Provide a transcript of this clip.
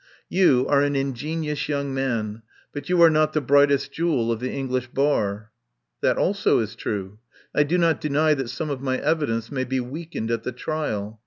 You are an in genious young man, but you are not the bright est jewel of the English Bar." "That also is true. I do not deny that some of my evidence may be weakened at the trial.